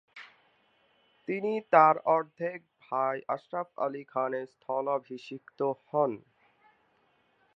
তিনি তার অর্ধেক ভাই আশরাফ আলী খানের স্থলাভিষিক্ত হন।